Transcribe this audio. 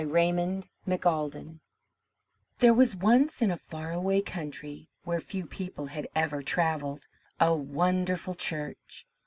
RAYMOND MC ALDEN There was once in a faraway country where few people have ever travelled, a wonderful church.